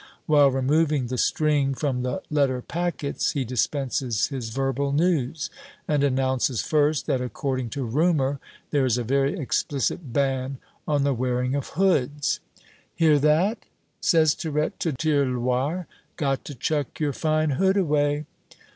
While removing the string from the letter packets he dispenses his verbal news, and announces first, that according to rumor, there is a very explicit ban on the wearing of hoods. "Hear that?" says Tirette to Tirloir. "Got to chuck your fine hood away!"